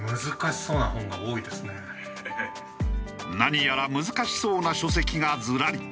何やら難しそうな書籍がずらり。